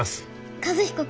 和彦君。